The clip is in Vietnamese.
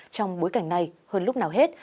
trong bối cảnh này hơn lúc nào hết